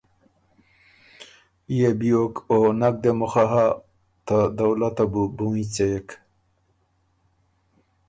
يې بیوک او نک دې مُخه هۀ ته دولته بُو بُونیٛڅېک،